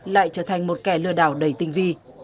lại trở thành một kẻ lừa đảo đầy tinh vi